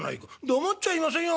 「黙っちゃいませんよ